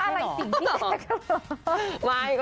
สงสัยไม่ว่าอะไรสิ่งที่แบบนั้นเหรอ